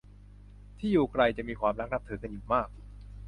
ที่อยู่ไกลจะมีความรักนับถือกันอยู่มาก